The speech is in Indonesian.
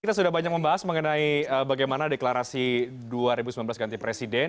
kita sudah banyak membahas mengenai bagaimana deklarasi dua ribu sembilan belas ganti presiden